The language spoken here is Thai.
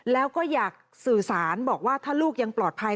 แล้วก็อยากสื่อสารบอกว่าถ้าลูกยังปลอดภัย